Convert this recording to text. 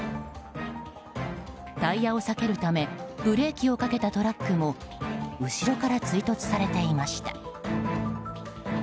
タイヤを避けるためブレーキをかけたトラックも後ろから追突されていました。